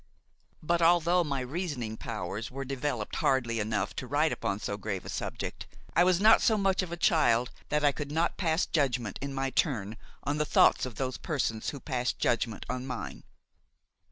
But, although my reasoning powers were developed hardly enough to write upon so grave a subject, I was not so much of a child that I could not pass judgment in my turn on the thoughts of those persons who passed judgment on mine.